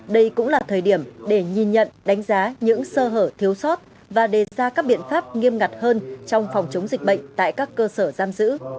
đây cũng là thời điểm để nhìn nhận đánh giá những sơ hở thiếu sót và đề ra các biện pháp nghiêm ngặt hơn trong phòng chống dịch bệnh tại các cơ sở giam giữ